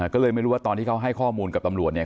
ก็เลยไม่รู้ว่าตอนที่เขาให้ข้อมูลกับตำรวจเนี่ย